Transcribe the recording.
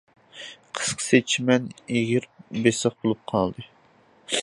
قىسقىسى چىمەن ئېغىر بېسىق بولۇپ قالدى.